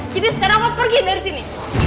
jadi sekarang aku mau pergi dari sini